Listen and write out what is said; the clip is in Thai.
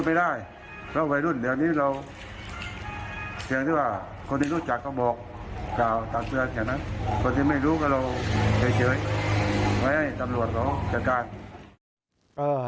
คนที่ไม่รู้ก็เราเผยไว้ให้ตำรวจของเขาจัดการ